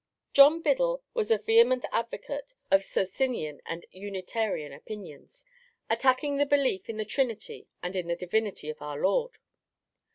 John Biddle was a vehement advocate of Socinian and Unitarian opinions, attacking the belief in the Trinity and in the Divinity of our Lord.